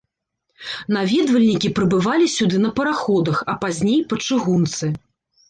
Наведвальнікі прыбывалі сюды на параходах, а пазней па чыгунцы.